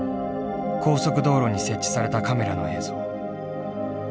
高速道路に設置されたカメラの映像。